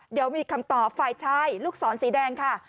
เดี๋ยวมีคำตอบฝ่ายชายลูกศรสีแดงค่ะ